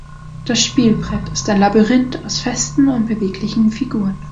Das Spielbrett ist ein Labyrinth aus festen und beweglichen Figuren.